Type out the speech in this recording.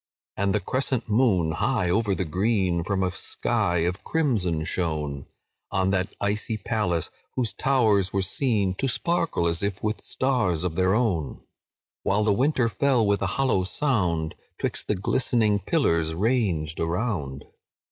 "And the crescent moon, high over the green, From a sky of crimson shone, On that icy palace, whose towers were seen To sparkle as if with stars of their own; While the water fell, with a hollow sound, 'Twixt the glistening pillars ranged around.